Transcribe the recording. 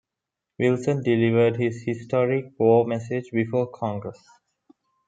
Wilson delivered his historic war message before Congress.